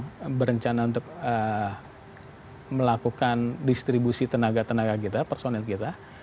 kita berencana untuk melakukan distribusi tenaga tenaga kita personil kita